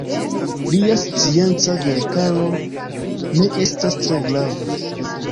Lia scienca verkaro ne estas tre grava.